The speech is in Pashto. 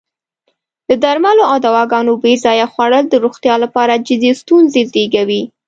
د درملو او دواګانو بې ځایه خوړل د روغتیا لپاره جدی ستونزې زېږوی.